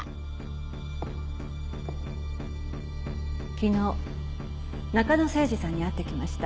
昨日中野誠司さんに会ってきました。